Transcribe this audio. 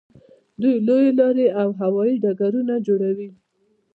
دوی لویې لارې او هوایي ډګرونه جوړوي.